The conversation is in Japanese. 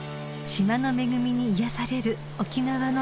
［島の恵みに癒やされる沖縄の空旅です］